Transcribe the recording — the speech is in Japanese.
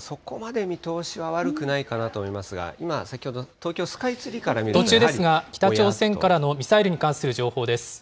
そこまで見通しは悪くないかなと思いますが、今、先ほど、途中ですが、北朝鮮からのミサイルに関する情報です。